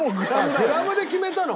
グラムで決めたの？